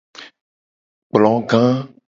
Ekplo ga.